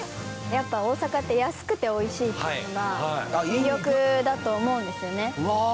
やっぱ大阪って安くておいしいっていうのが魅力だと思うんですよねあっ